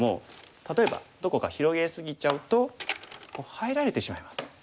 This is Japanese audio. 例えばどこか広げ過ぎちゃうと入られてしまいます。